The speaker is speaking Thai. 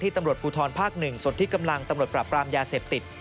ตำรวจภูทรภาค๑ส่วนที่กำลังตำรวจปรับปรามยาเสพติด